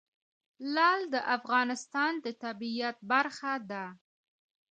لعل د افغانستان د طبیعت برخه ده.